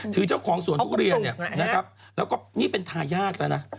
ถือเจ้าของสวนทุเรียนแล้วก็นี่เป็นทายาทแล้วนะ